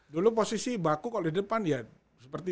dulu posisi baku kalau di depan ya seperti